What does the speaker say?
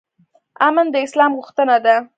امن د اسلام غوښتنه ده